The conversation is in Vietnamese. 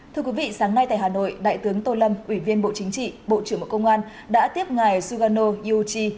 thưa quý vị sáng nay tại hà nội đại tướng tô lâm ủy viên bộ chính trị bộ trưởng bộ công an đã tiếp ngài sugano yuchi